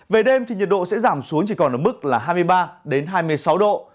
về đêm thì nhiệt độ sẽ giảm xuống chỉ còn ở mức là hai mươi ba hai mươi sáu độ